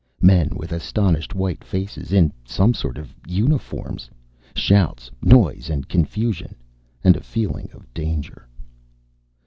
Men, with astonished white faces, in some sort of uniforms. Shouts, noise and confusion. And a feeling of danger!